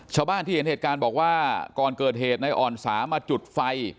ชาวบ้านที่เห็นเหตุการณ์บอกว่าก่อนเกิดเหตุในอ่อนสามาจุดไฟ